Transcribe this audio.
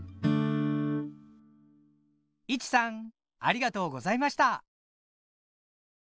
いちさんありがとうございました。